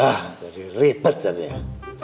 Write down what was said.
ah jadi ribet tadi ya